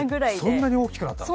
そんなに大きくなったの？